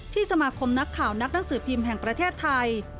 สมาคมนักข่าวนักหนังสือพิมพ์แห่งประเทศไทย